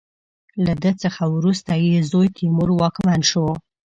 له ده څخه وروسته یې زوی تیمور واکمن شو.